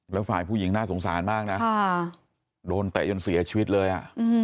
แล้วฝ่ายผู้หญิงน่าสงสารมากนะโดนเตะจนเสียชีวิตเลยอ่ะ